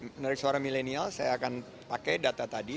menarik suara milenial saya akan pakai data tadi